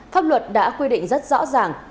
pháp luật đã quy định rất rõ ràng